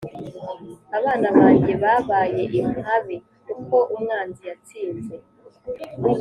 Abana banjye babaye impabe, Kuko umwanzi yatsinze.”